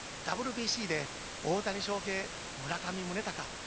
今年、ＷＢＣで大谷翔平、村上宗隆